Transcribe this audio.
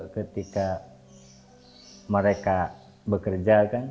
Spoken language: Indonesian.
ketika mereka bekerja kan